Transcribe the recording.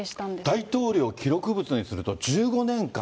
大統領記録物にすると１５年間。